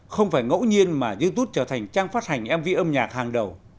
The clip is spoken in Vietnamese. không phải ngẫu nhiên mà youtube trở thành trang phát hành mv âm nhạc hàng đầu